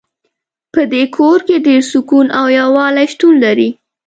په دې کور کې ډېر سکون او یووالۍ شتون لری